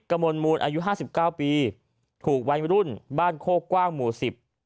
กระมวลมูลอายุห้าสิบเก้าปีถูกวัยรุ่นบ้านโคกว้างหมู่สิบ